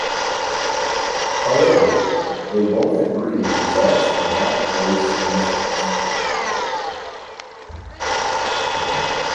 However, they both agreed the results were not very significant.